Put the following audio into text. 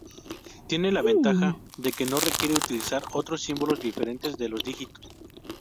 Tiene la ventaja de que no requiere utilizar otros símbolos diferentes de los dígitos.